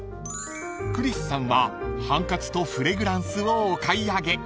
［クリスさんはハンカチとフレグランスをお買い上げ］